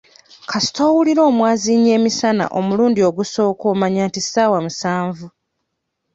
Kasita owulira omwaziinyi emisana omulundi ogusooka omanya nti ssaawa musanvu.